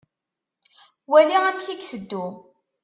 Wali amek i iteddu.